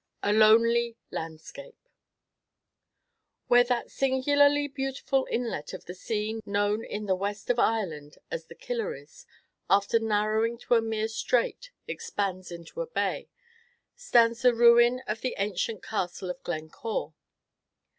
A LONELY LANDSCAPE Where that singularly beautiful inlet of the sea known in the west of Ireland as the Killeries, after narrowing to a mere strait, expands into a bay, stands the ruin of the ancient Castle of Glencore.